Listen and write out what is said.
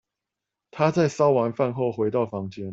她在燒完飯後回到房間